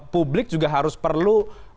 publik juga harus perlu